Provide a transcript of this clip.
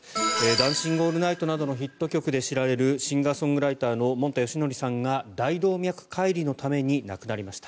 「ダンシング・オールナイト」などのヒット曲で知られるシンガー・ソングライターのもんたよしのりさんが大動脈解離のために亡くなりました。